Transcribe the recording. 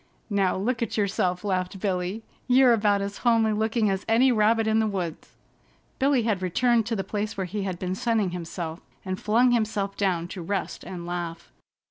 "Now look at yourself!" laughed Billy. "You're about as homely looking as any rabbit in the woods." Billy had returned to the place where he had been sunning himself, and flung himself down to rest and laugh.